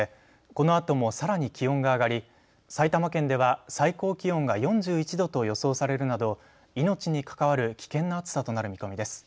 このあとも、さらに気温が上がり埼玉県では、最高気温が４１度と予想されるなど命に関わる危険な暑さとなる見込みです。